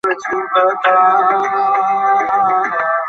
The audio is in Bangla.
Morning, sir.